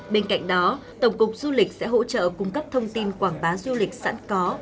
bên cạnh đó tổng cục du lịch sẽ hỗ trợ cung cấp thông tin quảng bá du lịch sẵn có